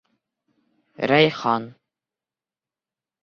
Рәйхан.